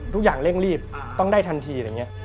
ทุกอย่างเร่งรีบต้องได้ทันที